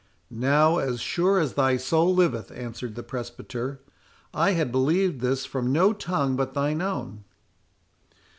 "Now, as sure as thy soul liveth," answered the presbyter, "I had believed this from no tongue but thine own.